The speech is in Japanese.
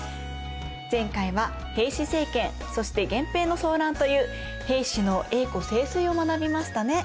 前回は平氏政権そして源平の争乱という平氏の栄枯盛衰を学びましたね。